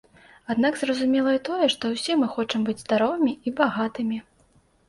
Аднак зразумела і тое, што ўсе мы хочам быць здаровымі і багатымі.